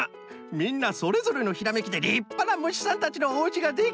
みんなそれぞれのひらめきでりっぱなむしさんたちのおうちができた。